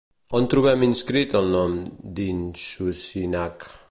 On trobem inscrit el nom d'Inshushinak?